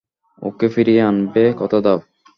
ওকে ফিরিয়ে আনবে কথা দাও!